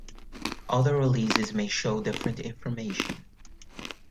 Other releases may show different information.